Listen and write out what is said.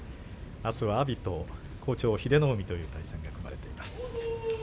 あすは阿炎と好調英乃海との対戦が組まれています。